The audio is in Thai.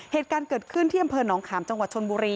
เหตุการณ์เกิดขึ้นที่อำเภอหนองขามจังหวัดชนบุรี